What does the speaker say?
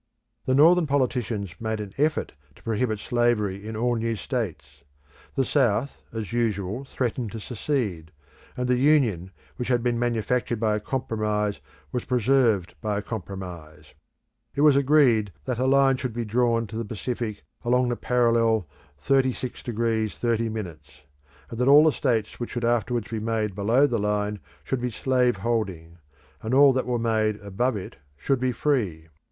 The Northern politicians made an effort to prohibit slavery in all new states; the South as usual threatened to secede, and the Union which had been manufactured by a compromise was preserved by a compromise. It was agreed that a line should be drawn to the Pacific along the parallel 36° 30'; that all the states which should afterwards be made below the line should be slave holding; and all that were made above it should be free.